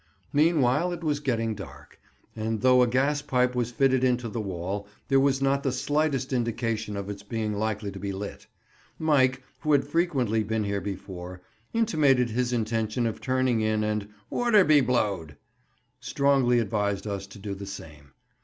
Meanwhile it was getting dark, and though a gaspipe was fitted into the wall, there was not the slightest indication of its being likely to be lit. Mike, who had frequently been here before, intimated his intention of turning in, and, "order be blowed!" strongly advised us to do the same.